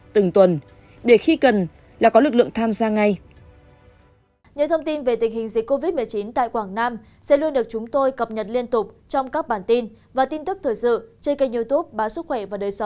từng tuần để khi cần là có lực lượng tham gia ngay